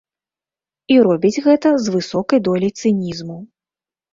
І робіць гэта з высокай доляй цынізму.